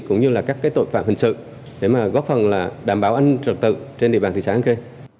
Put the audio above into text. cũng như là các tội phạm hình sự để góp phần đảm bảo an ninh trật tự trên địa bàn thị xã an khê